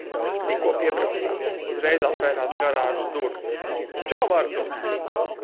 Tikko piebraucām, uzreiz atvērās garāžas durvis. Čau, Artūr!